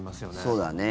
そうだね。